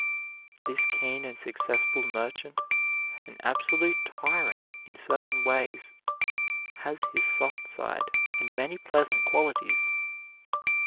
This keen and successful merchant, an absolute tyrant in certain ways, has his soft side and many pleasant qualities.